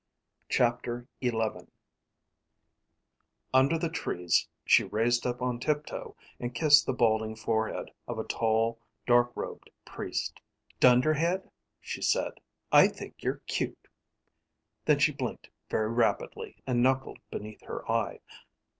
CHAPTER XI Under the trees, she raised up on tiptoe and kissed the balding forehead of a tall, dark robed priest. "Dunderhead," she said, "I think you're cute." Then she blinked very rapidly and knuckled beneath her eye.